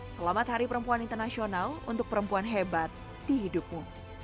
selamat hari perempuan internasional untuk perempuan hebat di hidupmu